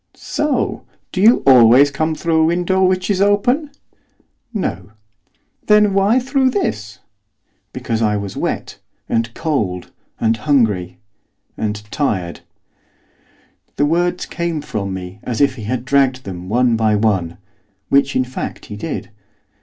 'So! Do you always come through a window which is open?' 'No.' 'Then why through this?' 'Because I was wet and cold and hungry and tired.' The words came from me as if he had dragged them one by one, which, in fact, he did.